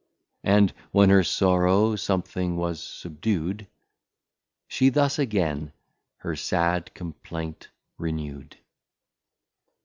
And when her Sorrow something was subdu'd, She thus again her sad Complaint renewed.